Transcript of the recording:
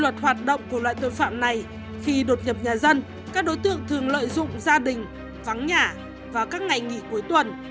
tại tội phạm này khi đột nhập nhà dân các đối tượng thường lợi dụng gia đình vắng nhà và các ngày nghỉ cuối tuần